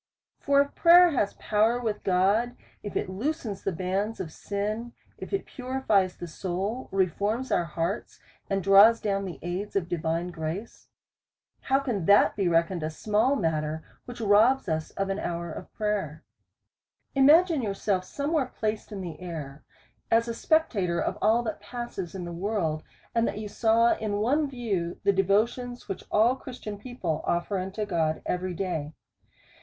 For if prayer has power with God, if it looses the bands of sin, if it purifies the soul, reforms our hearts, and draws down the aids of divine grace ; how can S06 A SERIOUS CALL TO A that be reckoned a small matter^ which robs us of an hour of prayer ? Imagine yourself somewhere placed in the air, as a spectator of all that passes in the world ; and that you saw in one view, the devotions which all Christian people offer unto God every day.